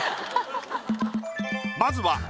まずは。